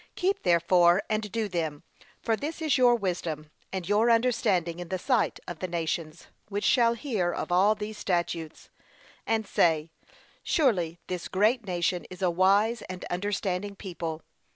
Keep therefore, and do them, for this is your wisdom, and your understanding in the sight of the nations, which shall hear of all these statutes, and say, Surely this great nation is a wise and understanding people.'